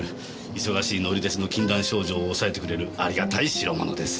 忙しい乗り鉄の禁断症状を抑えてくれるありがたい代物です。